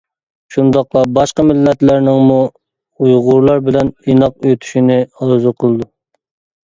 شۇنداقلا باشقا مىللەتلەرنىڭمۇ ئۇيغۇرلار بىلەن ئىناق ئۆتۈشىنى ئارزۇ قىلىدۇ.